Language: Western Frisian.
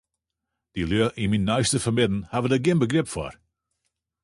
De lju yn myn neiste fermidden hawwe dêr gjin begryp foar.